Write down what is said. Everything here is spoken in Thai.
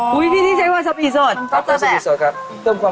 คือมันมีความต่ดแล้วหวาน